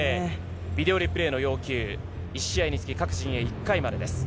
ビデオリプレーの要求、１試合につき、各陣営には１回までです。